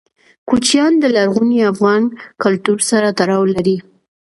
کوچیان د لرغوني افغان کلتور سره تړاو لري.